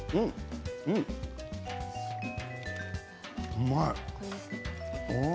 うまい！